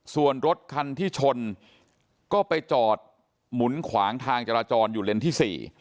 ส่วนรถคันที่ชนก็ไปจอดหมุนขวางทางจราจรอยู่เลนส์ที่๔